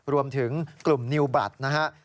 รวมถึงกลุ่มนิวบัตรนะฮะ